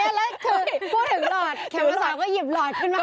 อย่างไรคือพูดถึงหลอดแขมเทอร์สองก็หยิบหลอดขึ้นมา